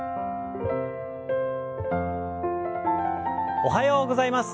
おはようございます。